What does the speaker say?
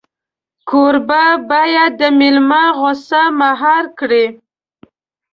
کوربه باید د مېلمه غوسه مهار کړي.